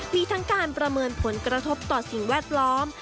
มีทั้งการประเมินผลกระทบต่อสิ่งแวดล้อม